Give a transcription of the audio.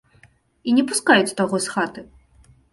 І не пускаюць таго з хаты.